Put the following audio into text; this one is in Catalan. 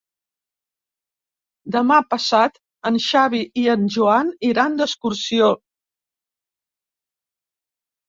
Demà passat en Xavi i en Joan iran d'excursió.